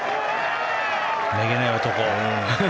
めげない男。